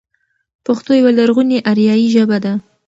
پښتو يوه لرغونې آريايي ژبه ده.